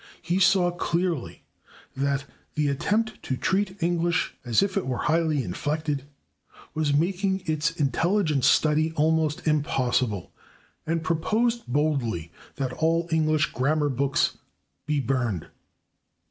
He saw clearly that "the attempt to treat English as if it were highly inflected" was making its intelligent study almost impossible, and proposed boldly that all English grammar books be burned.